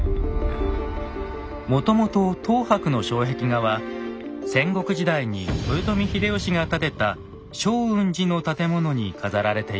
もともと等伯の障壁画は戦国時代に豊臣秀吉が建てた祥雲寺の建物に飾られていました。